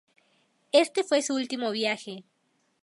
Este fue su último viaje.